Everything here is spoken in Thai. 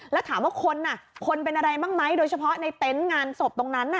แล้วถามว่าคนคนเป็นอะไรบ้างไหมโดยเฉพาะในเต็นต์งานศพตรงนั้นน่ะ